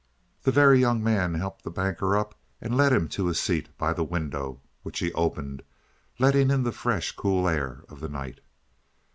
The Very Young Man helped the Banker up and led him to a seat by the window, which he opened, letting in the fresh, cool air of the night.